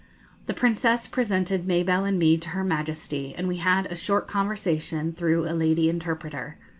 The Princess presented Mabelle and me to her Majesty, and we had a short conversation through a lady interpreter.